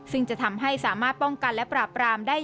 ซึ่งจะทำให้สามารถป้องกันและปราบรามได้